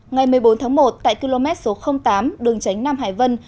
ngày một mươi bốn tháng một tại km số tám đường tránh nam hải vân